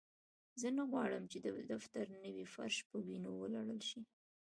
زه نه غواړم چې د دفتر نوی فرش په وینو ولړل شي